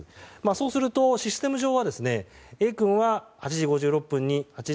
そうすると、システム上はＡ君は８時５６分に、と。